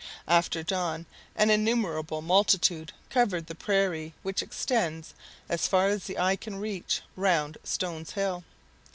After dawn, an innumerable multitude covered the prairie which extends, as far as the eye can reach, round Stones Hill.